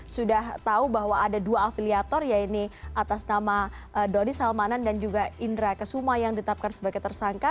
sudah tahu bahwa ada dua afiliator ya ini atas nama doni salmanan dan juga indra kesuma yang ditapkan sebagai tersangka